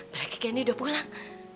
berarti kendi udah pulang